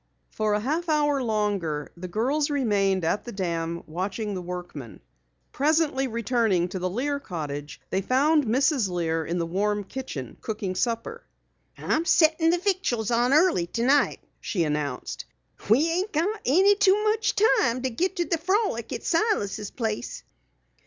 For a half hour longer the girls remained at the dam watching the workmen. Presently returning to the Lear cottage they found Mrs. Lear in the warm kitchen, cooking supper. "I'm settin' the victuals on early tonight," she announced. "We ain't got any too much time to git to the frolic at Silas' place."